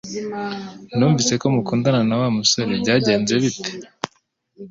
Numvise ko mukundana na Wa musore Byagenze bite?